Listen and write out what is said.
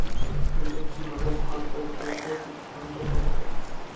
কিন্তু কীভাবে খরগোশগুলোকে বিভ্রান্ত করব?